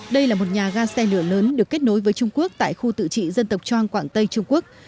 đây là một nhà ga xe lửa lớn được kết nối với trung quốc tại khu tự trị dân tộc choang quảng tây trung quốc